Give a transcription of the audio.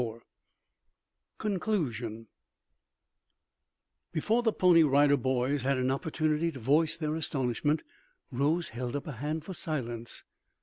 CHAPTER XXIV CONCLUSION Before the Pony Rider Boys had an opportunity to voice their astonishment, Rose held up a hand for silence.